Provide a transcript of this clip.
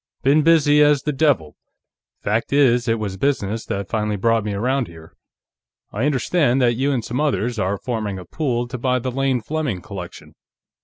"Been busy as the devil. Fact is, it was business that finally brought me around here. I understand that you and some others are forming a pool to buy the Lane Fleming collection."